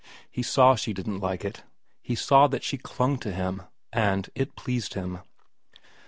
He saw she didn't like it ; he saw that she clung to him ; and it pleased him.